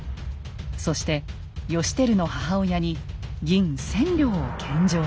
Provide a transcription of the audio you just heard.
そして義輝の母親に銀千両を献上します。